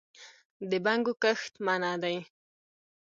د بنګو کښت منع دی